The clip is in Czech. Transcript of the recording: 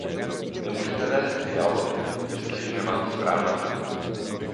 Nemůžete vést dialog, jestliže nemáte správná fakta.